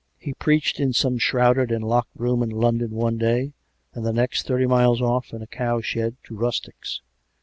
He preached in some shrouded and locked room in London one day ; and the next, thirty miles off, in a cow shed to rustics.